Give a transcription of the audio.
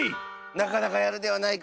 なかなかやるではないか。